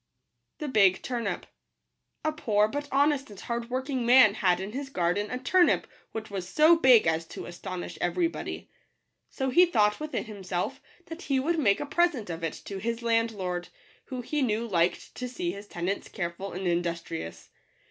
Vfg ®utn(p* B POOR but honest and hardworking man had in his garden a turnip which was so big as to astonish every body. So he thought within himself that he would make a present of it to his landlord, who he knew liked to see his tenants careful and in dustrious.